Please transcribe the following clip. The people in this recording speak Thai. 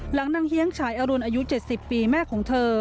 นางเฮียงฉายอรุณอายุ๗๐ปีแม่ของเธอ